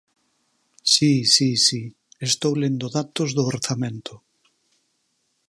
Si, si, si, estou lendo datos do orzamento.